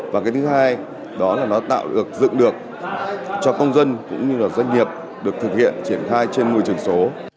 và thứ hai là nó tạo dựng được cho công dân cũng như doanh nghiệp được thực hiện triển khai trên môi trường số